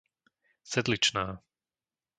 Sedličná